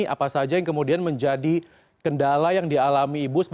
apa saja yang kemudian menjadi kendala yang dialami ibu